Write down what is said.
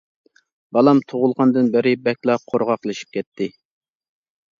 بالام تۇغۇلغاندىن بېرى بەكلا قۇرغاقلىشىپ كەتتى.